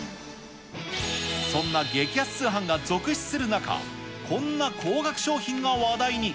そんな激安通販が続出する中、こんな高額商品が話題に。